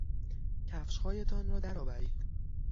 کفشهایتان را درآورید.